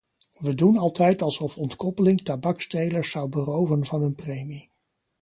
We doen altijd alsof ontkoppeling tabakstelers zou beroven van hun premie.